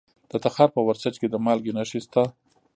د تخار په ورسج کې د مالګې نښې شته.